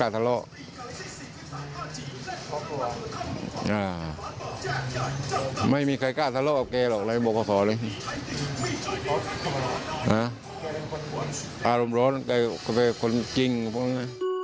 อารมณ์ร้อนแกก็เป็นคนจริง